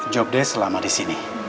jobdes selama disini